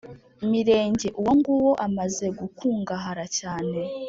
Mirenge uwo nguwo amaze gukungahara cyane